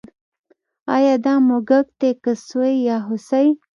ایا دا موږک دی که سوی یا هوسۍ